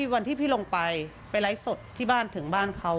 วันที่พี่ลงไปไปไลฟ์สดที่บ้านถึงบ้านเขา